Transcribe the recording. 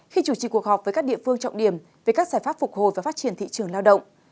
khi chủ trì cuộc họp với các địa phương trọng điểm về các giải pháp phục hồi và phát triển thị trường lao động